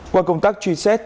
qua công tác truy xét